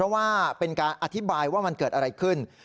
ว่าเป็นการอธิบายว่ามันเกิดอะไรขึ้น